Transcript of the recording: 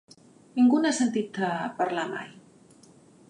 Ningú n'ha sentit a parlar mai.